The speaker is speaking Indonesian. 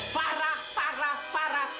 farah farah farah